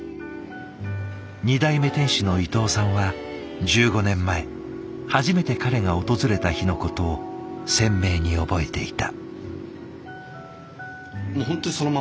２代目店主の伊藤さんは１５年前初めて彼が訪れた日のことを鮮明に覚えていた。